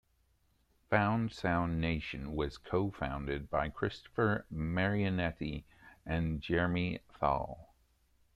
Found Sound Nation was co-founded by Christopher Marianetti and Jeremy Thal.